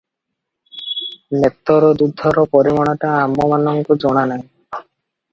ନେତର ଦୁଧର ପରିମାଣଟା ଆମମାନଙ୍କୁ ଜଣାନାହିଁ ।